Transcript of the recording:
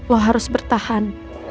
lo harus bertahan